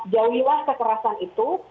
jauhi lah kekerasan itu